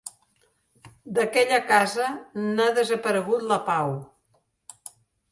D'aquella casa, n'ha desaparegut la pau.